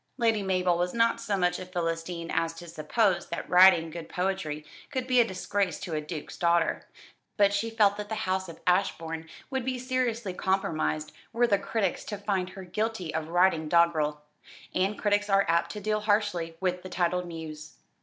Lady Mabel was not so much a Philistine as to suppose that writing good poetry could be a disgrace to a duke's daughter; but she felt that the house of Ashbourne would be seriously compromised were the critics to find her guilty of writing doggerel; and critics are apt to deal harshly with the titled muse.